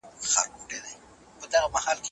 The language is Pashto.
ایا عملی ټولنپوهنه د ټولنیزو مشکلاتو حل کي مرسته کوي؟